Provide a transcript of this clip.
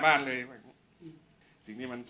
ช่างแอร์เนี้ยคือล้างหกเดือนครั้งยังไม่แอร์